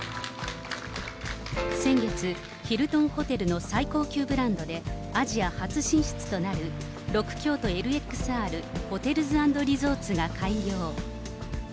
先月、ヒルトンホテルの最高級ブランドで、アジア初進出となるロクキョートＬＸＲホテルズ＆リゾーツが開業。